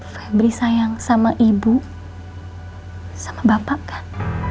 febri sayang sama ibu sama bapak kan